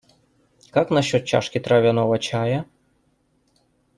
Как насчет чашки травяного чая?